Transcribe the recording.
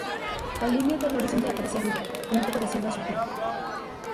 La línea de horizonte aparece arriba, con un poco de cielo azul claro.